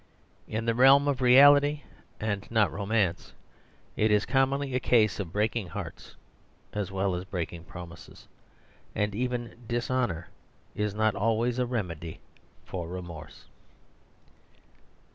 In the realm of reality and not of romance, it is commonly a case of breaking hearts as well as breaking promises ; and even dishonour is not always a remedy for remorse.